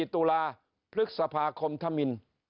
ตุลาพฤษภาคมธมิน